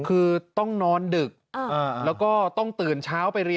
ผมพอเห็นใกล้แล้วน่ากลัว